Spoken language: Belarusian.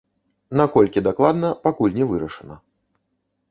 Наколькі дакладна, пакуль не вырашана.